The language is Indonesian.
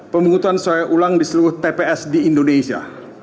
pemungutan suara ulang di seluruh tps di indonesia